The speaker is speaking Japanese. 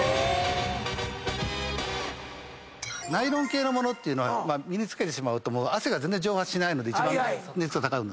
ナイロン系の物は身に着けてしまうと汗が全然蒸発しないので一番熱が高くなるんですね。